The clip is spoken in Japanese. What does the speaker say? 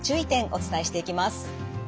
お伝えしていきます。